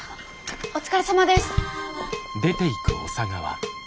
お疲れさまです。